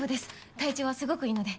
体調はすごくいいので。